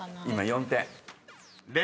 今４点。